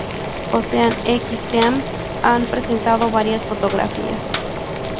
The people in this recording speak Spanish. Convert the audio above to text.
Ocean X Team ha presentado varias fotografías.